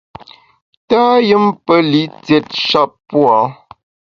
Tâyùmpelitiét shap pua’.